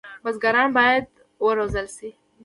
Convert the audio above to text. بزګران باید وروزل شي.